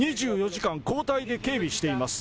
２４時間交代で警備しています。